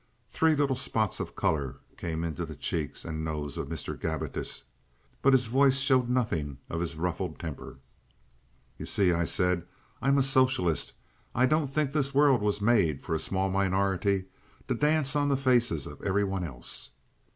Three little spots of color came into the cheeks and nose of Mr. Gabbitas, but his voice showed nothing of his ruffled temper. "You see," I said, "I'm a socialist. I don't think this world was made for a small minority to dance on the faces of every one else."